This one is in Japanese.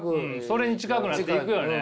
それに近くなっていくよね。